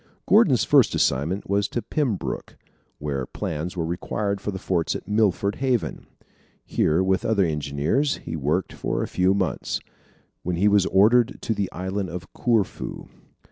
Gordon's first assignment was to Pembroke, where plans were required for the forts at Milford Haven. Here with other engineers he worked for a few months, when he was ordered to the Island of Corfu.